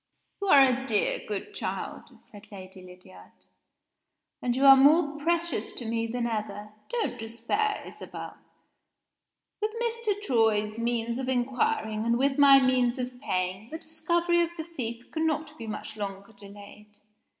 "You are a dear good child," said Lady Lydiard; "and you are more precious to me than ever. Don't despair, Isabel. With Mr. Troy's means of inquiring, and with my means of paying, the discovery of the thief cannot be much longer delayed.